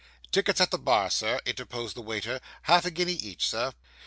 'Tickets at the bar, Sir,' interposed the waiter; 'half a guinea each, Sir.